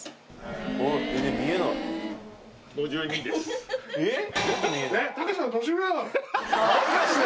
えっ？